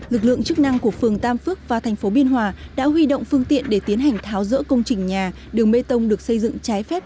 lực lượng chức năng của phường tam phước và thành phố biên hòa đã huy động phương tiện để tiến hành tháo rỡ công trình nhà đường mê tông được xây dựng trái phép